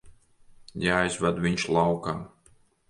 Jāizved viņš laukā.